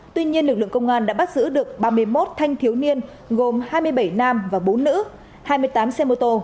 tuy nhiên lực lượng công an đã bắt giữ được ba mươi một thanh thiếu niên gồm hai mươi bảy nam và bốn nữ hai mươi tám xe mô tô